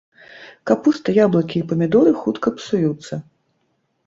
Капуста, яблыкі і памідоры хутка псуюцца.